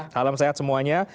salam sehat semuanya